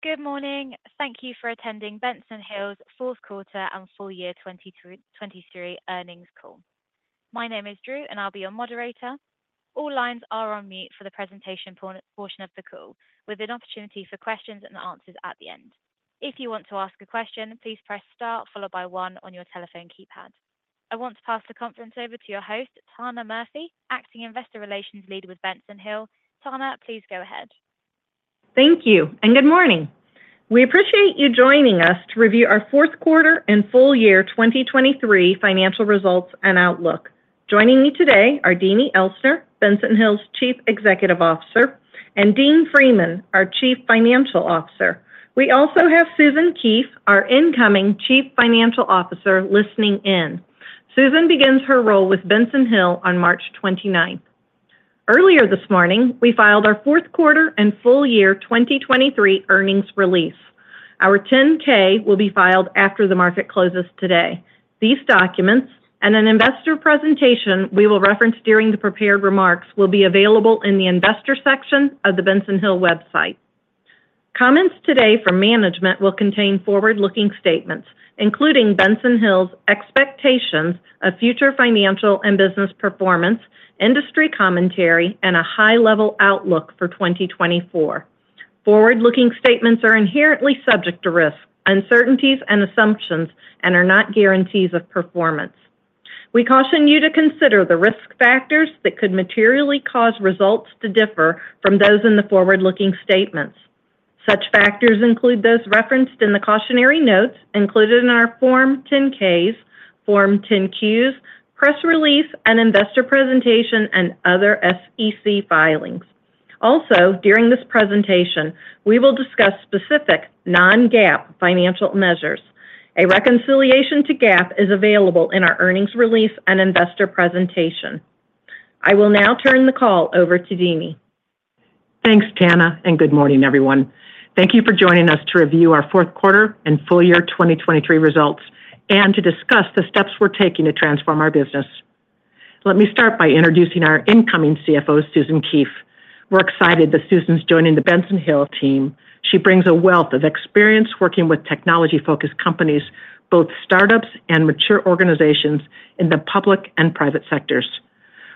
Good morning. Thank you for attending Benson Hill's Q4 and full year 2023 earnings call. My name is Drew, and I'll be your moderator. All lines are on mute for the presentation portion of the call, with an opportunity for questions and answers at the end. If you want to ask a question, please press star followed by one on your telephone keypad. I want to pass the conference over to your host, Tana Murphy, Acting Investor Relations Lead with Benson Hill. Tana, please go ahead. Thank you, and good morning. We appreciate you joining us to review our Q4 and full year 2023 financial results and outlook. Joining me today are Deanie Elsner, Benson Hill's Chief Executive Officer, and Dean Freeman, our Chief Financial Officer. We also have Susan Keefe, our incoming Chief Financial Officer, listening in. Susan begins her role with Benson Hill on 29 March 2023. Earlier this morning, we filed our Q4 and full year 2023 earnings release. Our 10-K will be filed after the market closes today. These documents and an investor presentation we will reference during the prepared remarks will be available in the investor section of the Benson Hill website. Comments today from management will contain forward-looking statements, including Benson Hill's expectations of future financial and business performance, industry commentary, and a high-level outlook for 2024. Forward-looking statements are inherently subject to risk, uncertainties, and assumptions, and are not guarantees of performance. We caution you to consider the risk factors that could materially cause results to differ from those in the forward-looking statements. Such factors include those referenced in the cautionary notes included in our Form 10-Ks, Form 10-Qs, press release, and investor presentation and other SEC filings. Also, during this presentation, we will discuss specific non-GAAP financial measures. A reconciliation to GAAP is available in our earnings release and investor presentation. I will now turn the call over to Deanie. Thanks, Tana, and good morning, everyone. Thank you for joining us to review our Q4 and full year 2023 results and to discuss the steps we're taking to transform our business. Let me start by introducing our incoming CFO, Susan Keefe. We're excited that Susan's joining the Benson Hill team. She brings a wealth of experience working with technology-focused companies, both startups and mature organizations, in the public and private sectors.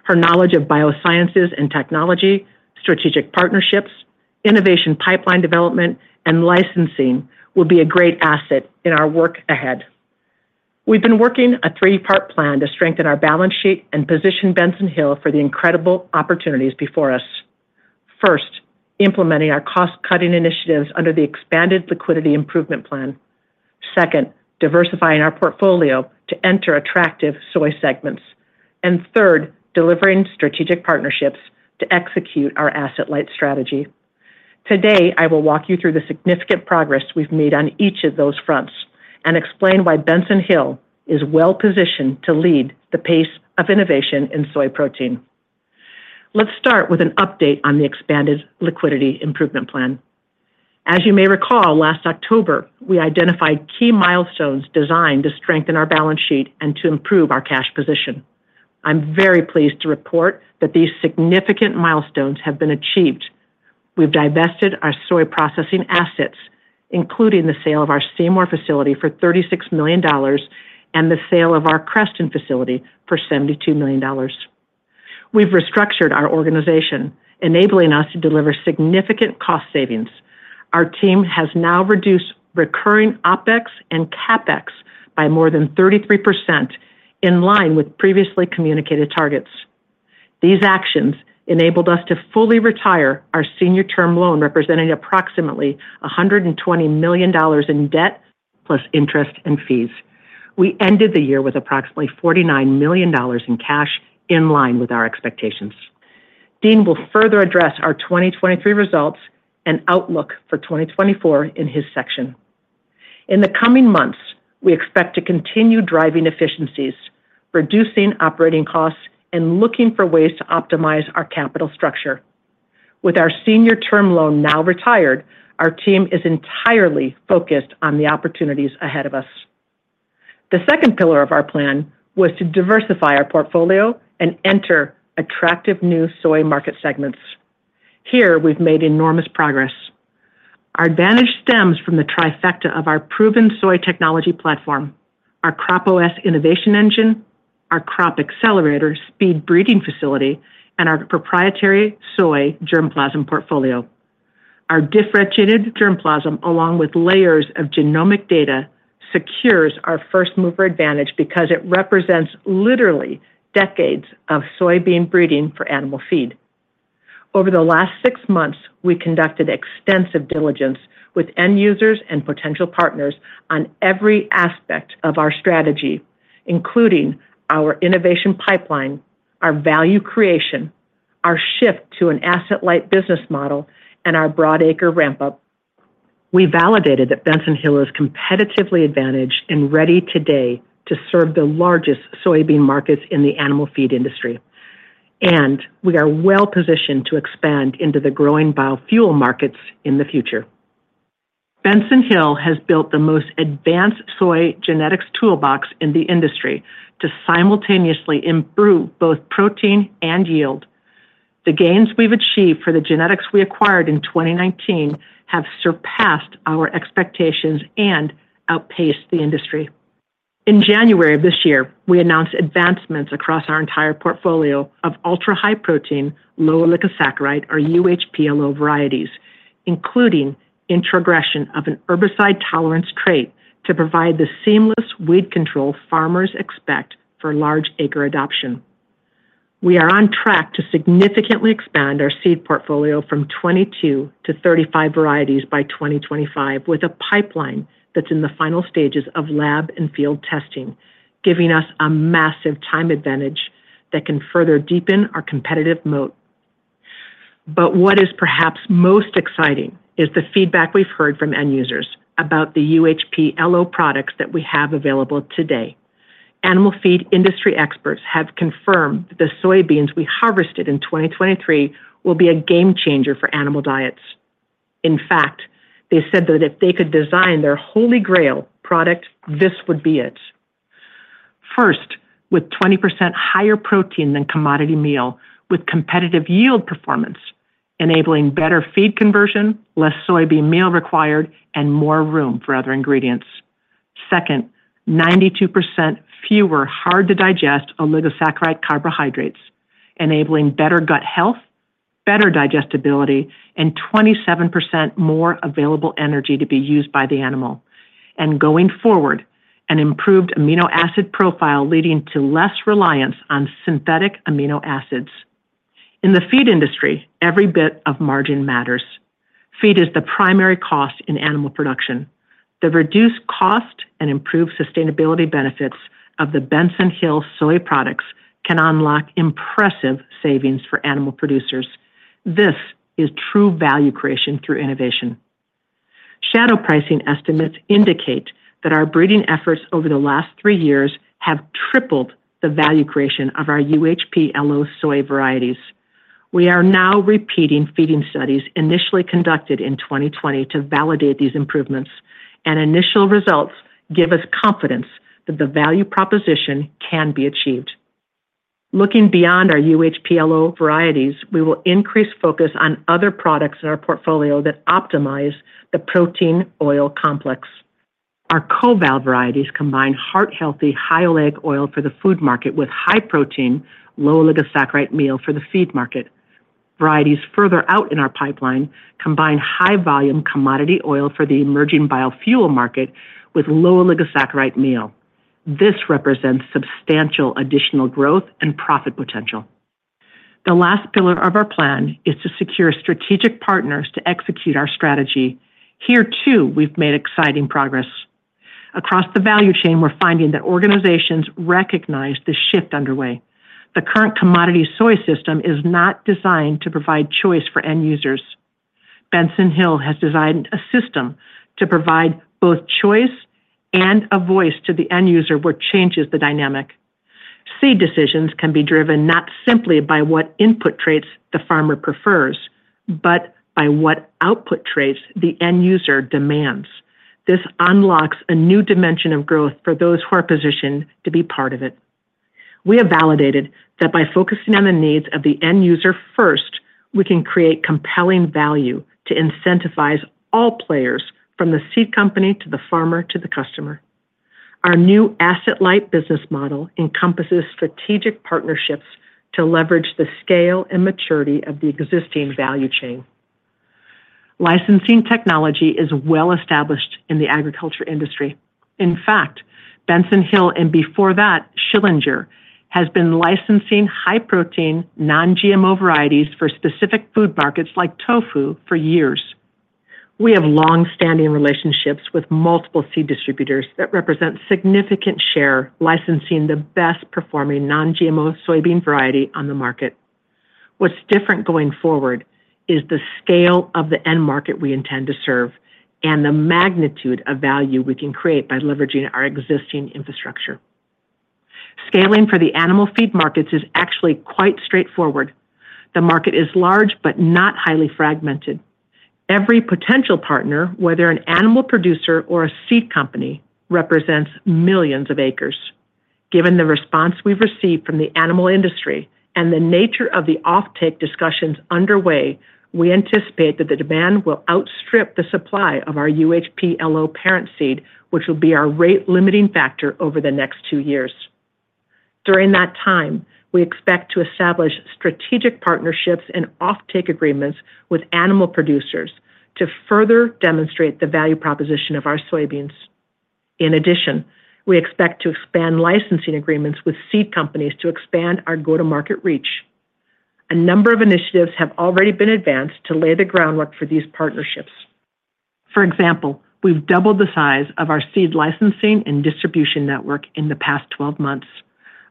Her knowledge of biosciences and technology, strategic partnerships, innovation pipeline development, and licensing will be a great asset in our work ahead. We've been working a three-part plan to strengthen our balance sheet and position Benson Hill for the incredible opportunities before us. First, implementing our cost-cutting initiatives under the expanded liquidity improvement plan. Second, diversifying our portfolio to enter attractive soy segments. And third, delivering strategic partnerships to execute our asset-light strategy. Today, I will walk you through the significant progress we've made on each of those fronts and explain why Benson Hill is well-positioned to lead the pace of innovation in soy protein. Let's start with an update on the expanded liquidity improvement plan. As you may recall, last October, we identified key milestones designed to strengthen our balance sheet and to improve our cash position. I'm very pleased to report that these significant milestones have been achieved. We've divested our soy processing assets, including the sale of our Seymour facility for $36 million and the sale of our Creston facility for $72 million. We've restructured our organization, enabling us to deliver significant cost savings. Our team has now reduced recurring OpEx and CapEx by more than 33%, in line with previously communicated targets. These actions enabled us to fully retire our senior-term loan, representing approximately $120 million in debt plus interest and fees. We ended the year with approximately $49 million in cash, in line with our expectations. Dean will further address our 2023 results and outlook for 2024 in his section. In the coming months, we expect to continue driving efficiencies, reducing operating costs, and looking for ways to optimize our capital structure. With our senior-term loan now retired, our team is entirely focused on the opportunities ahead of us. The second pillar of our plan was to diversify our portfolio and enter attractive new soy market segments. Here, we've made enormous progress. Our advantage stems from the trifecta of our proven soy technology platform, our CropOS innovation engine, our Crop Accelerator speed breeding facility, and our proprietary soy germplasm portfolio. Our differentiated germplasm, along with layers of genomic data, secures our first-mover advantage because it represents literally decades of soybean breeding for animal feed. Over the last six months, we conducted extensive diligence with end users and potential partners on every aspect of our strategy, including our innovation pipeline, our value creation, our shift to an asset-light business model, and our broad-acre ramp-up. We validated that Benson Hill is competitively advantaged and ready today to serve the largest soybean markets in the animal feed industry, and we are well-positioned to expand into the growing biofuel markets in the future. Benson Hill has built the most advanced soy genetics toolbox in the industry to simultaneously improve both protein and yield. The gains we've achieved for the genetics we acquired in 2019 have surpassed our expectations and outpaced the industry. In January of this year, we announced advancements across our entire portfolio of ultra-high protein, low-oligosaccharide, or UHPLO varieties, including introgression of an herbicide-tolerance trait to provide the seamless weed control farmers expect for large-acre adoption. We are on track to significantly expand our seed portfolio from 22-35 varieties by 2025, with a pipeline that's in the final stages of lab and field testing, giving us a massive time advantage that can further deepen our competitive moat. But what is perhaps most exciting is the feedback we've heard from end users about the UHPLO products that we have available today. Animal feed industry experts have confirmed that the soybeans we harvested in 2023 will be a game-changer for animal diets. In fact, they said that if they could design their Holy Grail product, this would be it. First, with 20% higher protein than commodity meal, with competitive yield performance, enabling better feed conversion, less soybean meal required, and more room for other ingredients. Second, 92% fewer hard-to-digest oligosaccharide carbohydrates, enabling better gut health, better digestibility, and 27% more available energy to be used by the animal. And going forward, an improved amino acid profile leading to less reliance on synthetic amino acids. In the feed industry, every bit of margin matters. Feed is the primary cost in animal production. The reduced cost and improved sustainability benefits of the Benson Hill soy products can unlock impressive savings for animal producers. This is true value creation through innovation. Shadow pricing estimates indicate that our breeding efforts over the last three years have tripled the value creation of our UHPLO soy varieties. We are now repeating feeding studies initially conducted in 2020 to validate these improvements, and initial results give us confidence that the value proposition can be achieved. Looking beyond our UHPLO varieties, we will increase focus on other products in our portfolio that optimize the protein-oil complex. Our COVAL varieties combine heart-healthy high-oleic oil for the food market with high-protein, low-oligosaccharide meal for the feed market. Varieties further out in our pipeline combine high-volume commodity oil for the emerging biofuel market with low-oligosaccharide meal. This represents substantial additional growth and profit potential. The last pillar of our plan is to secure strategic partners to execute our strategy. Here, too, we've made exciting progress. Across the value chain, we're finding that organizations recognize the shift underway. The current commodity soy system is not designed to provide choice for end users. Benson Hill has designed a system to provide both choice and a voice to the end user where changes the dynamic. Seed decisions can be driven not simply by what input traits the farmer prefers, but by what output traits the end user demands. This unlocks a new dimension of growth for those who are positioned to be part of it. We have validated that by focusing on the needs of the end user first, we can create compelling value to incentivize all players, from the seed company to the farmer to the customer. Our new asset-light business model encompasses strategic partnerships to leverage the scale and maturity of the existing value chain. Licensing technology is well-established in the agriculture industry. In fact, Benson Hill and before that, Schillinger, has been licensing high-protein, non-GMO varieties for specific food markets like tofu for years. We have longstanding relationships with multiple seed distributors that represent significant share licensing the best-performing non-GMO soybean variety on the market. What's different going forward is the scale of the end market we intend to serve and the magnitude of value we can create by leveraging our existing infrastructure. Scaling for the animal feed markets is actually quite straightforward. The market is large but not highly fragmented. Every potential partner, whether an animal producer or a seed company, represents millions of acres. Given the response we've received from the animal industry and the nature of the offtake discussions underway, we anticipate that the demand will outstrip the supply of our UHPLO parent seed, which will be our rate-limiting factor over the next two years. During that time, we expect to establish strategic partnerships and offtake agreements with animal producers to further demonstrate the value proposition of our soybeans. In addition, we expect to expand licensing agreements with seed companies to expand our go-to-market reach. A number of initiatives have already been advanced to lay the groundwork for these partnerships. For example, we've doubled the size of our seed licensing and distribution network in the past 12 months.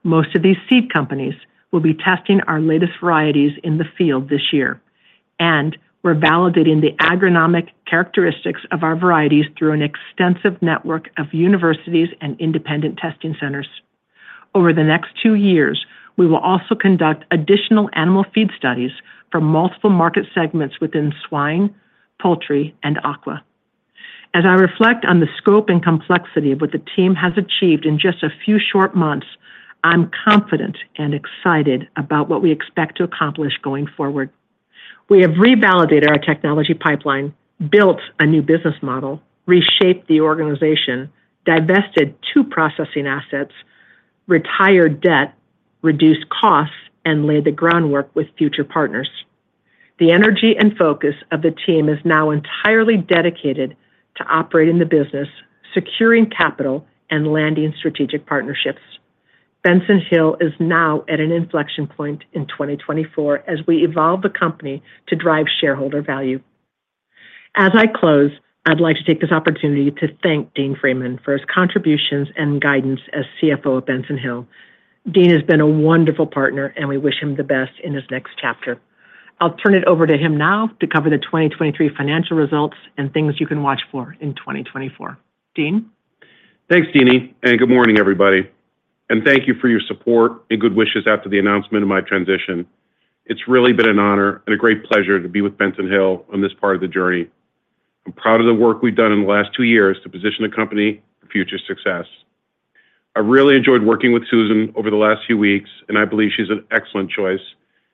Most of these seed companies will be testing our latest varieties in the field this year. We're validating the agronomic characteristics of our varieties through an extensive network of universities and independent testing centers. Over the next two years, we will also conduct additional animal feed studies for multiple market segments within swine, poultry, and aqua. As I reflect on the scope and complexity of what the team has achieved in just a few short months, I'm confident and excited about what we expect to accomplish going forward. We have revalidated our technology pipeline, built a new business model, reshaped the organization, divested two processing assets, retired debt, reduced costs, and laid the groundwork with future partners. The energy and focus of the team is now entirely dedicated to operating the business, securing capital, and landing strategic partnerships. Benson Hill is now at an inflection point in 2024 as we evolve the company to drive shareholder value. As I close, I'd like to take this opportunity to thank Dean Freeman for his contributions and guidance as CFO of Benson Hill. Dean has been a wonderful partner, and we wish him the best in his next chapter. I'll turn it over to him now to cover the 2023 financial results and things you can watch for in 2024. Dean? Thanks, Deanie, and good morning, everybody. Thank you for your support and good wishes after the announcement of my transition. It's really been an honor and a great pleasure to be with Benson Hill on this part of the journey. I'm proud of the work we've done in the last two years to position the company for future success. I've really enjoyed working with Susan over the last few weeks, and I believe she's an excellent choice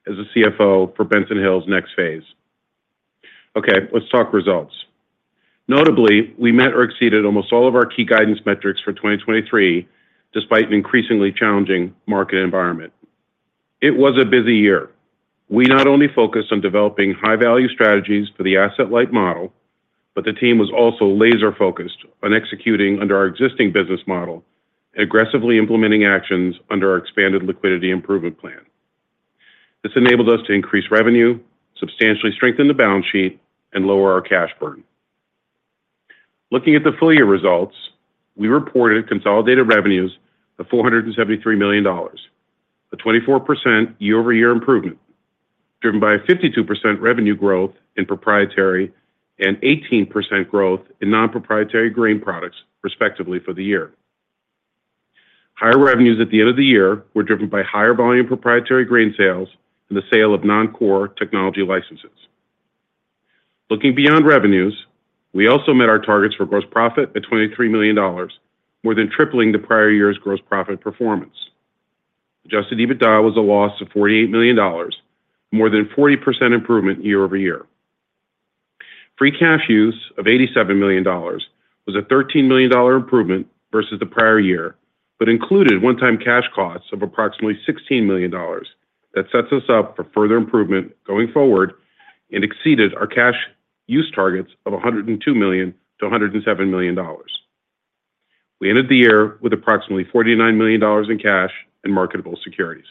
as a CFO for Benson Hill's next phase. Okay, let's talk results. Notably, we met or exceeded almost all of our key guidance metrics for 2023 despite an increasingly challenging market environment. It was a busy year. We not only focused on developing high-value strategies for the asset-light model, but the team was also laser-focused on executing under our existing business model and aggressively implementing actions under our expanded liquidity improvement plan. This enabled us to increase revenue, substantially strengthen the balance sheet, and lower our cash burden. Looking at the full-year results, we reported consolidated revenues of $473 million, a 24% year-over-year improvement, driven by a 52% revenue growth in proprietary and 18% growth in non-proprietary grain products, respectively, for the year. Higher revenues at the end of the year were driven by higher volume proprietary grain sales and the sale of non-core technology licenses. Looking beyond revenues, we also met our targets for gross profit at $23 million, more than tripling the prior year's gross profit performance. Adjusted EBITDA was a loss of $48 million, more than 40% improvement year-over-year. Free cash use of $87 million was a $13 million improvement versus the prior year but included one-time cash costs of approximately $16 million that sets us up for further improvement going forward and exceeded our cash use targets of $102 million-$107 million. We ended the year with approximately $49 million in cash and marketable securities.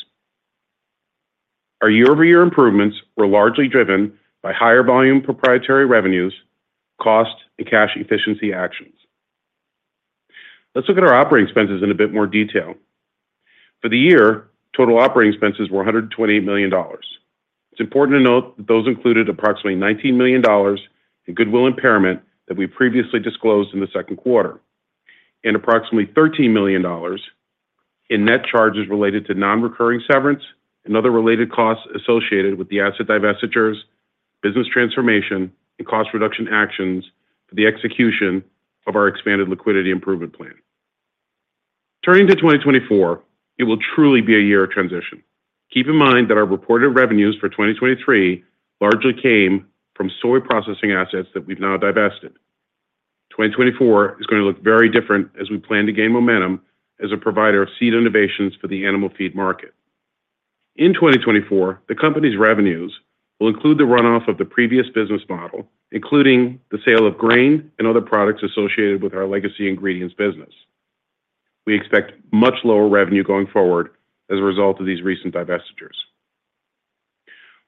Our year-over-year improvements were largely driven by higher volume proprietary revenues, cost, and cash efficiency actions. Let's look at our operating expenses in a bit more detail. For the year, total operating expenses were $128 million. It's important to note that those included approximately $19 million in goodwill impairment that we previously disclosed in the Q2 and approximately $13 million in net charges related to non-recurring severance and other related costs associated with the asset divestitures, business transformation, and cost reduction actions for the execution of our expanded liquidity improvement plan. Turning to 2024, it will truly be a year of transition. Keep in mind that our reported revenues for 2023 largely came from soy processing assets that we've now divested. 2024 is going to look very different as we plan to gain momentum as a provider of seed innovations for the animal feed market. In 2024, the company's revenues will include the runoff of the previous business model, including the sale of grain and other products associated with our legacy ingredients business. We expect much lower revenue going forward as a result of these recent divestitures.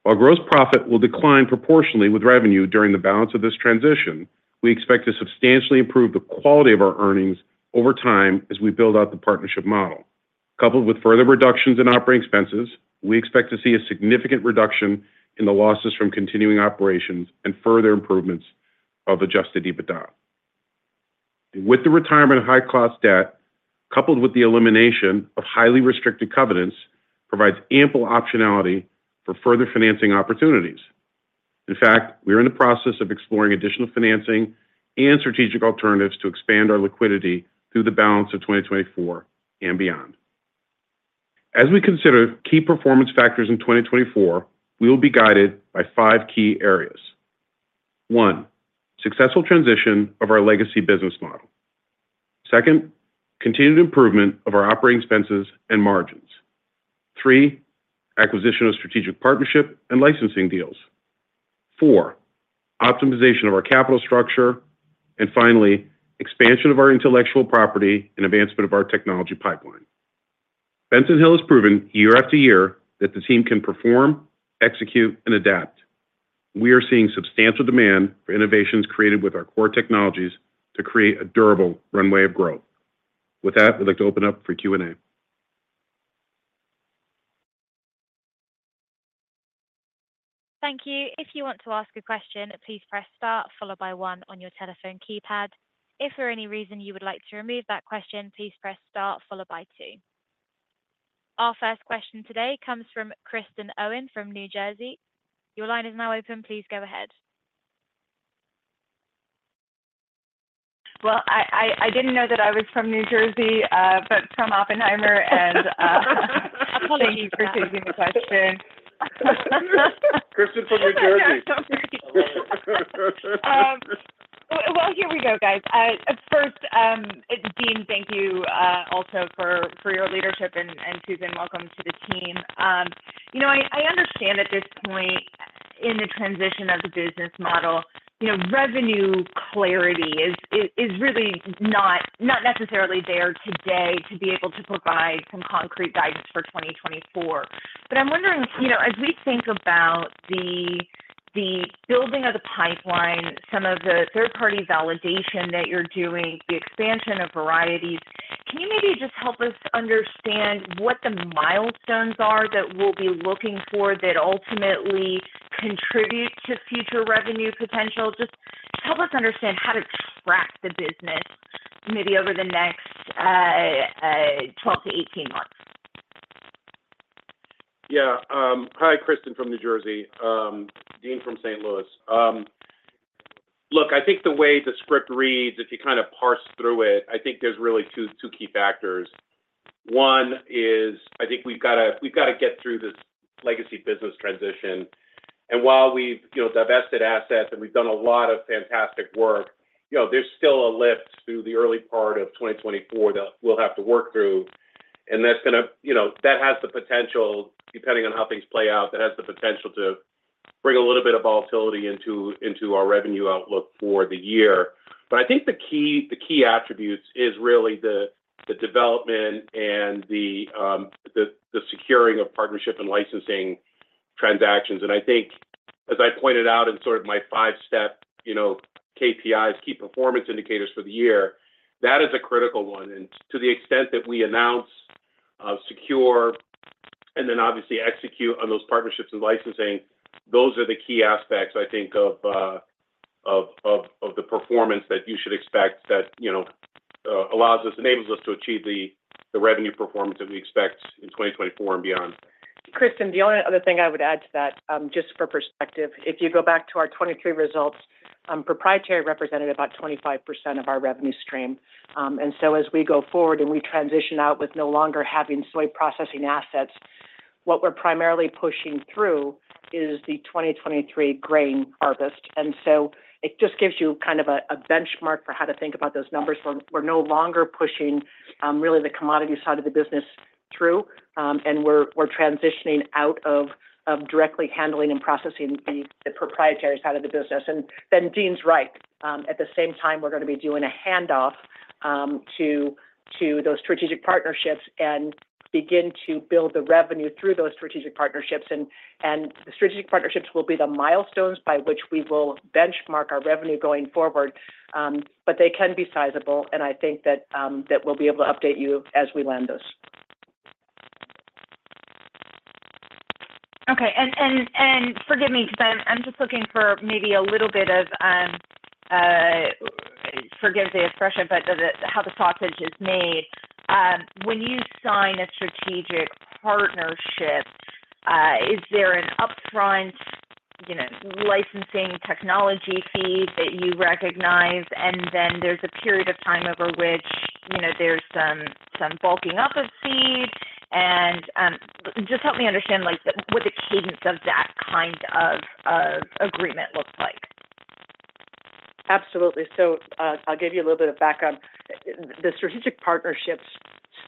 While gross profit will decline proportionally with revenue during the balance of this transition, we expect to substantially improve the quality of our earnings over time as we build out the partnership model. Coupled with further reductions in operating expenses, we expect to see a significant reduction in the losses from continuing operations and further improvements of adjusted EBITDA. And with the retirement of high-cost debt, coupled with the elimination of highly restricted covenants, provides ample optionality for further financing opportunities. In fact, we are in the process of exploring additional financing and strategic alternatives to expand our liquidity through the balance of 2024 and beyond. As we consider key performance factors in 2024, we will be guided by five key areas. One, successful transition of our legacy business model. Second, continued improvement of our operating expenses and margins. Three, acquisition of strategic partnership and licensing deals. Four, optimization of our capital structure. And finally, expansion of our intellectual property and advancement of our technology pipeline. Benson Hill has proven year after year that the team can perform, execute, and adapt. We are seeing substantial demand for innovations created with our core technologies to create a durable runway of growth. With that, we'd like to open up for Q&A. Thank you. If you want to ask a question, please press star followed by one on your telephone keypad. If for any reason you would like to remove that question, please press star followed by two. Our first question today comes from Kristen Owen from New Jersey. Your line is now open. Please go ahead. Well, I didn't know that I was from New Jersey, but from Oppenheimer. Apologies. Thank you for taking the question. Kristen from New Jersey. Well, here we go, guys. First, Dean, thank you also for your leadership. And Susan, welcome to the team. I understand at this point in the transition of the business model, revenue clarity is really not necessarily there today to be able to provide some concrete guidance for 2024. But I'm wondering, as we think about the building of the pipeline, some of the third-party validation that you're doing, the expansion of varieties, can you maybe just help us understand what the milestones are that we'll be looking for that ultimately contribute to future revenue potential? Just help us understand how to track the business maybe over the next 12months-18 months. Yeah. Hi, Kristen from New Jersey. Dean from St. Louis. Look, I think the way the script reads, if you kind of parse through it, I think there's really two key factors. One is I think we've got to get through this legacy business transition. And while we've divested assets and we've done a lot of fantastic work, there's still a lift through the early part of 2024 that we'll have to work through. And that's going to that has the potential, depending on how things play out, that has the potential to bring a little bit of volatility into our revenue outlook for the year. But I think the key attributes is really the development and the securing of partnership and licensing transactions. I think, as I pointed out in sort of my five-step KPIs, key performance indicators for the year, that is a critical one. To the extent that we announce, secure, and then obviously execute on those partnerships and licensing, those are the key aspects, I think, of the performance that you should expect that allows us, enables us to achieve the revenue performance that we expect in 2024 and beyond. Kristen, the only other thing I would add to that, just for perspective, if you go back to our 2023 results, proprietary represented about 25% of our revenue stream. And so as we go forward and we transition out with no longer having soy processing assets, what we're primarily pushing through is the 2023 grain harvest. And so it just gives you kind of a benchmark for how to think about those numbers. We're no longer pushing really the commodity side of the business through. And we're transitioning out of directly handling and processing the proprietary side of the business. And then Dean's right. At the same time, we're going to be doing a handoff to those strategic partnerships and begin to build the revenue through those strategic partnerships. And the strategic partnerships will be the milestones by which we will benchmark our revenue going forward. But they can be sizable. And I think that we'll be able to update you as we land those. Okay. And forgive me because I'm just looking for maybe a little bit of forgive the expression, but how the sausage is made. When you sign a strategic partnership, is there an upfront licensing technology fee that you recognize? And then there's a period of time over which there's some bulking up of seed. And just help me understand what the cadence of that kind of agreement looks like. Absolutely. So I'll give you a little bit of backup. The strategic partnerships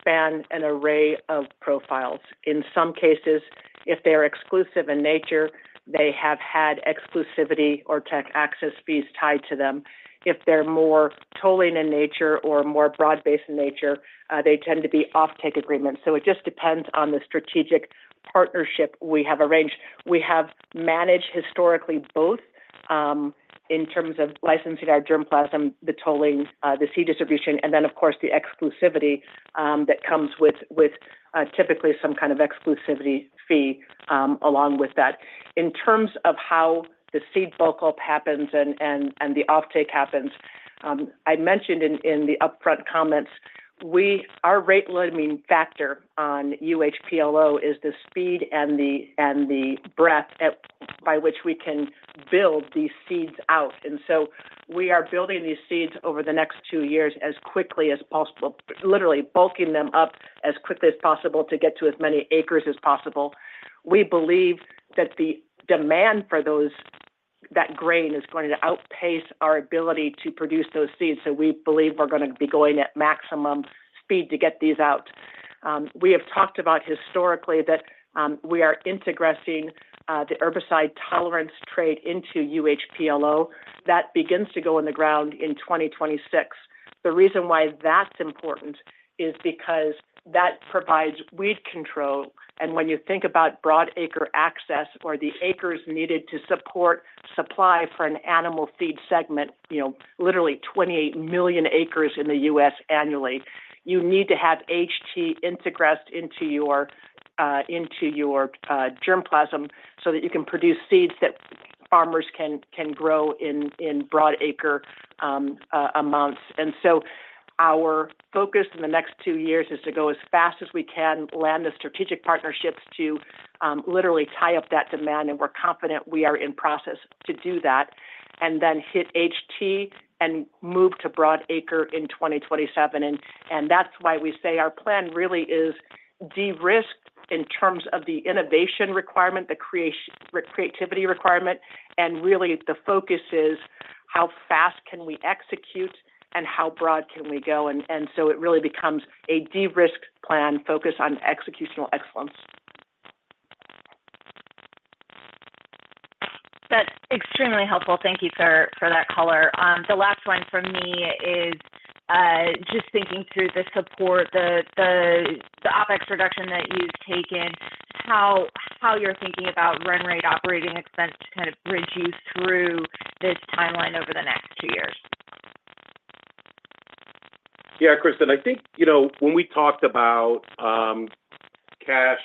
span an array of profiles. In some cases, if they are exclusive in nature, they have had exclusivity or tech access fees tied to them. If they're more tolling in nature or more broad-based in nature, they tend to be off-take agreements. So it just depends on the strategic partnership we have arranged. We have managed historically both in terms of licensing our germplasm, the tolling, the seed distribution, and then, of course, the exclusivity that comes with typically some kind of exclusivity fee along with that. In terms of how the seed bulk-up happens and the off-take happens, I mentioned in the upfront comments, our rate limiting factor on UHPLO is the speed and the breadth by which we can build these seeds out. We are building these seeds over the next two years as quickly as possible, literally bulking them up as quickly as possible to get to as many acres as possible. We believe that the demand for that grain is going to outpace our ability to produce those seeds. So we believe we're going to be going at maximum speed to get these out. We have talked about historically that we are integrating the herbicide tolerance trait into UHPLO. That begins to go in the ground in 2026. The reason why that's important is because that provides weed control. And when you think about broad-acre access or the acres needed to support supply for an animal feed segment, literally 28 million acres in the U.S. annually, you need to have HT integrated into your germplasm so that you can produce seeds that farmers can grow in broad-acre amounts. And so our focus in the next two years is to go as fast as we can, land the strategic partnerships to literally tie up that demand. And we're confident we are in process to do that and then hit HT and move to broad-acre in 2027. And that's why we say our plan really is de-risked in terms of the innovation requirement, the creativity requirement. And really, the focus is how fast can we execute and how broad can we go. And so it really becomes a de-risked plan focused on executional excellence. That's extremely helpful. Thank you for that color. The last one for me is just thinking through the support, the OpEx reduction that you've taken, how you're thinking about run rate operating expense to kind of bridge you through this timeline over the next two years. Yeah, Kristen, I think when we talked about cash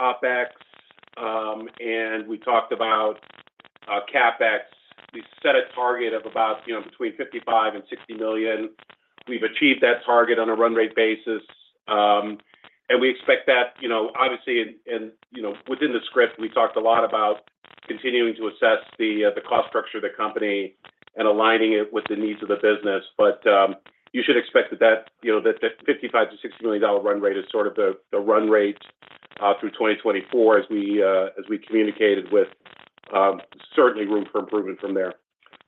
OpEx and we talked about CapEx, we set a target of about between $55 million and $60 million. We've achieved that target on a run rate basis. And we expect that obviously, and within the script, we talked a lot about continuing to assess the cost structure of the company and aligning it with the needs of the business. But you should expect that that $55 million-$60 million run rate is sort of the run rate through 2024 as we communicated with certainly room for improvement from there.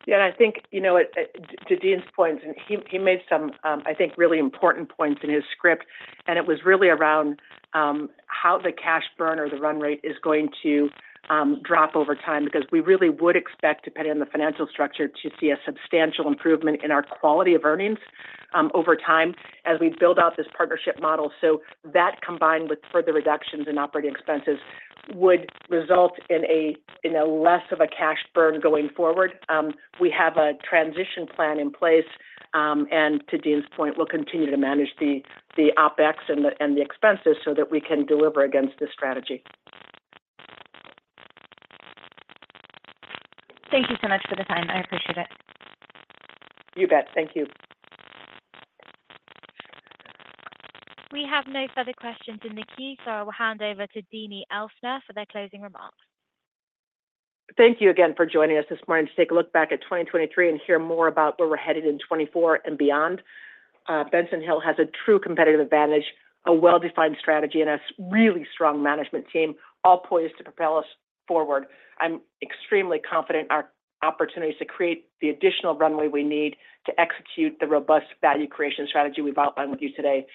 Yeah. And I think to Dean's points, and he made some, I think, really important points in his script. And it was really around how the cash burn or the run rate is going to drop over time because we really would expect, depending on the financial structure, to see a substantial improvement in our quality of earnings over time as we build out this partnership model. So that combined with further reductions in operating expenses would result in less of a cash burn going forward. We have a transition plan in place. And to Dean's point, we'll continue to manage the OpEx and the expenses so that we can deliver against this strategy. Thank you so much for the time. I appreciate it. You bet. Thank you. We have no further questions in the queue, so I will hand over to Deanie Elsner for their closing remarks. Thank you again for joining us this morning to take a look back at 2023 and hear more about where we're headed in 2024 and beyond. Benson Hill has a true competitive advantage, a well-defined strategy, and a really strong management team all poised to propel us forward. I'm extremely confident our opportunities to create the additional runway we need to execute the robust value creation strategy we've outlined with you today.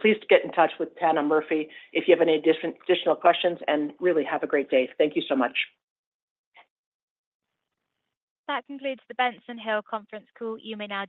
Please get in touch with Tana Murphy if you have any additional questions and really have a great day. Thank you so much. That concludes the Benson Hill conference call. You may now.